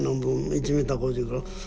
１メーター５０から。